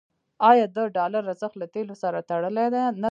آیا د ډالر ارزښت له تیلو سره تړلی نه دی؟